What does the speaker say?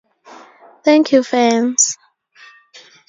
Thank you fans!